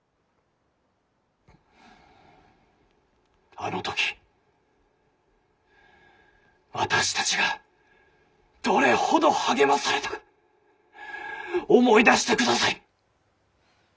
「あの時私たちがどれほど励まされたか思い出してください」。